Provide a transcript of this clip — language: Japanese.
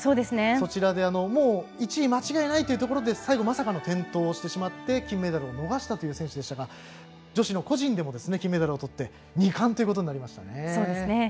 そちらで１位間違いないというところで最後まさかの転倒をしてしまって金メダルを逃した選手でしたが女子の個人でも金メダルをとって２冠となりましたね。